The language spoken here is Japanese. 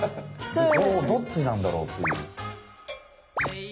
どっちなんだろうっていう。